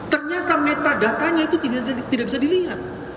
ternyata metadata nya itu tidak bisa dilihat